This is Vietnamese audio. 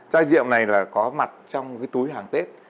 chai rượu này là có mặt trong cái túi hàng tết